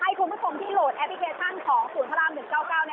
คุณผู้ชมที่โหลดแอปพลิเคชันของศูนย์พระราม๑๙๙